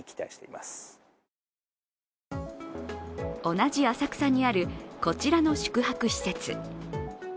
同じ浅草にある、こちらの宿泊施設。